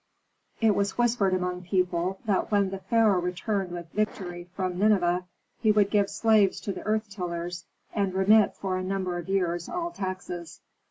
It was whispered among people that when the pharaoh returned with victory from Nineveh, he would give slaves to the earth tillers, and remit for a number of years all taxes.